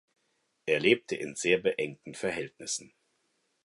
Er lebte in sehr beengten Verhältnissen.